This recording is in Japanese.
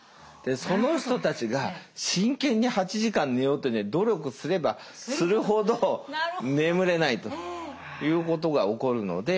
その人たちが真剣に８時間寝ようって努力すればするほど眠れないということが起こるので。